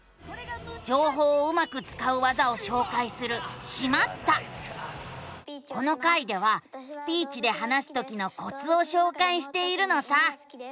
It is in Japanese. じょうほうをうまくつかう技をしょうかいするこの回ではスピーチで話すときのコツをしょうかいしているのさ。